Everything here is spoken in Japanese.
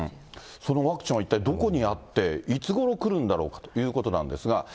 そのワクチンは一体どこにあって、いつごろ来るんだろうということなんですが。